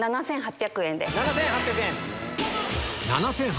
７８００円で。